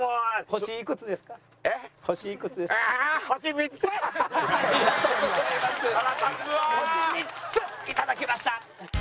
星３ついただきました。